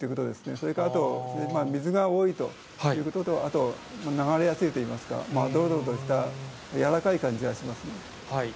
それからあと、水が多いということと、あと流れやすいといいますか、どろどろとした軟らかい感じがしますね。